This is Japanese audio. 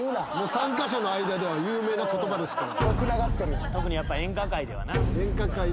参加者の間では有名な言葉ですから。